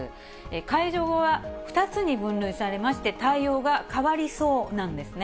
解除後は２つに分類されまして、対応が変わりそうなんですね。